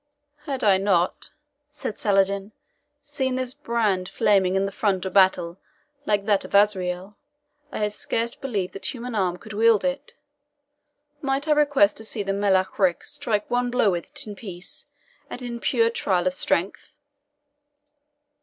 "Had I not," said Saladin, "seen this brand flaming in the front of battle, like that of Azrael, I had scarce believed that human arm could wield it. Might I request to see the Melech Ric strike one blow with it in peace, and in pure trial of strength?"